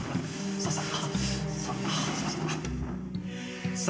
さあさあ